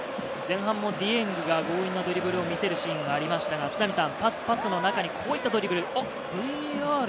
前半もディエングがドリブルを見せるシーンがありましたが、パス、パスの中にこういったドリブル。